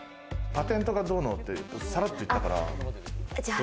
パテントがどうって、さらっと言ったから。